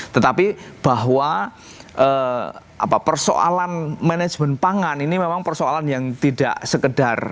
tetapi bahwa persoalan manajemen pangan ini memang persoalan yang tidak sekedar